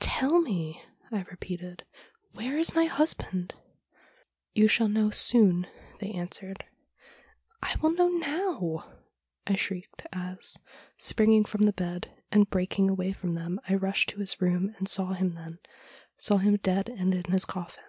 "Tell me," I repeated, "where is my husband?" '" You shall know soon," they answered. '" I will know now," I shrieked, as, springing from the bed and breaking away from them, I rushed to his room, and saw him then — saw him dead and in his coffin.